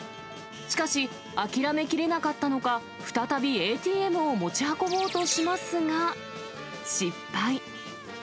しかし、諦めきれなかったのか、再びＡＴＭを持ち運ぼうとしますが、失敗。